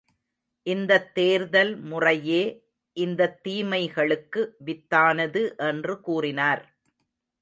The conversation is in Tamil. இந்தத் தேர்தல் முறையே இந்தத் தீமைகளுக்கு வித்தானது என்று கூறினார்.